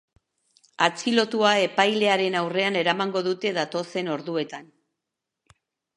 Atxilotua epailearen aurrera eramango dute datozen orduetan.